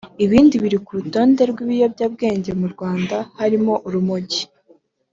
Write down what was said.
Ibindi biri ku rutonde rw’ibiyobyabwenge mu Rwanda harimo Urumogi